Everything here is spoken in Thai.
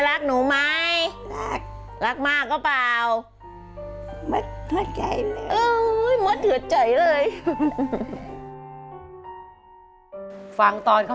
รายการต่อไปนี้เป็นรายการทั่วไปสามารถรับชมได้ทุกวัย